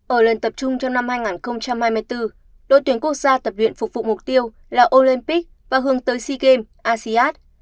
ở lần tập trung trong năm hai nghìn hai mươi bốn đội tuyển quốc gia tập luyện phục vụ mục tiêu là olympic và hướng tới sea games asean